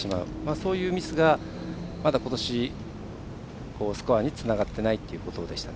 そういったミスがまだことし、スコアにつながってないというところでしたね。